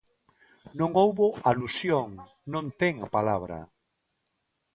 Non houbo alusión, non ten a palabra.